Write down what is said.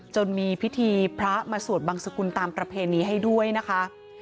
จนมีพิธีพระมาสวดบังสกุลตามประเพณีให้ด้วยนะคะ